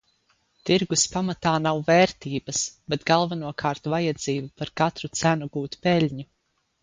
Tirgus pamatā nav vērtības, bet galvenokārt vajadzība par katru cenu gūt peļņu.